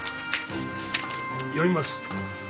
読みます。